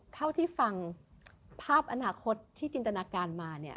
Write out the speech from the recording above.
เท่าที่ฟังภาพอนาคตที่จินตนาการมาเนี่ย